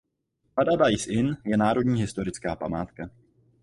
Paradise Inn je národní historická památka.